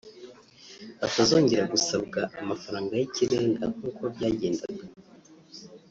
batazongera gusabwa amafaranga y’ikirenga nkuko byagendaga